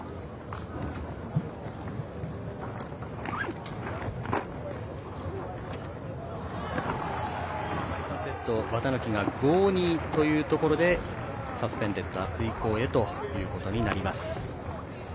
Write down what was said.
結局、第３セット綿貫が５−２というところでサスペンデッドは遂行へということになります。